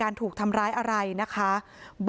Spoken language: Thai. อาบน้ำเป็นจิตเที่ยว